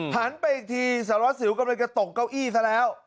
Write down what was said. หันไปอีกทีสารวัสสิวกำลังจะตกเก้าอี้ซะแล้ว